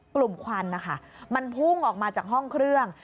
ควันนะคะมันพุ่งออกมาจากห้องเครื่อง